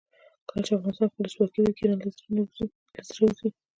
کله چې افغانستان کې ولسواکي وي کینه له زړه وځي.